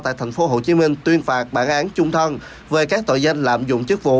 tại tp hcm tuyên phạt bản án chung thân về các tội danh lạm dụng chức vụ